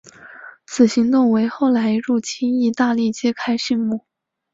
此行动为后来入侵义大利揭开续幕。